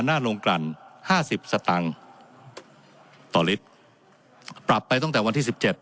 หน้าโรงกลั่นห้าสิบสตางค์ต่อลิตรปรับไปตั้งแต่วันที่สิบเจ็ด